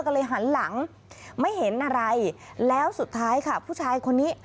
ก็เลยหันหลังไม่เห็นอะไรแล้วสุดท้ายค่ะผู้ชายคนนี้